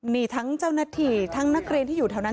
นี่ทั้งเจ้าหน้าที่ทั้งนักเรียนที่อยู่แถวนั้น